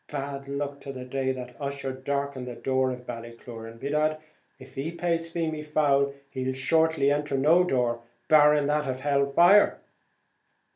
Bad luck to the day that Ussher darkened the door of Ballycloran! By dad, if he plays Feemy foul he'll shortly enter no door, barring that of hell fire!"